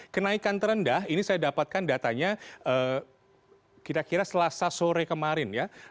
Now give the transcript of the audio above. kenaikan terendah ini saya dapatkan datanya kira kira selasa sore kemarin ya